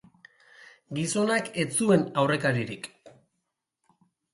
Gizonak ez zuen aurrekaririk.